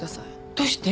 どうして？